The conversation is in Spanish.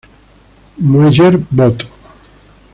Mueller Bot.